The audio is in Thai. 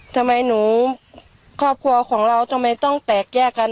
ทำไมหนูครอบครัวของเราทำไมต้องแตกแยกกัน